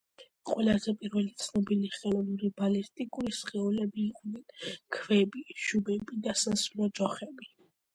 ყველაზე პირველი ცნობილი ხელოვნური ბალისტიკური სხეულები იყვნენ ქვები, შუბები და სასროლი ჯოხები.